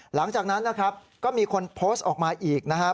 หลังจากนั้นนะครับก็มีคนโพสต์ออกมาอีกนะครับ